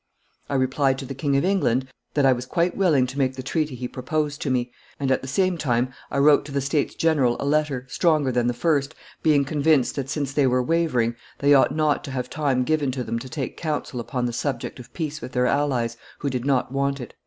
I replied to the King of England that I was quite willing to make the treaty he proposed to me, and, at the same time, I wrote to the States General a letter, stronger than the first, being convinced that, since they were wavering, they ought not to have time given them to take counsel upon the subject of peace with their allies, who did not want it."